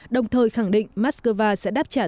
đồng thời khẳng định moscow sẽ đáp trả